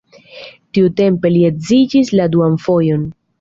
Tiutempe li edziĝis la duan fojon.